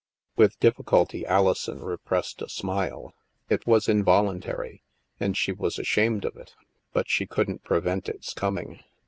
With difficulty, Alison repressed a smile. It was involuntary, and she was ashamed of it, but she cotddn't prevent its coming.